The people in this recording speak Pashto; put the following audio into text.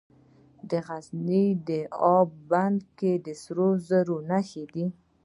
د غزني په اب بند کې د سرو زرو نښې شته.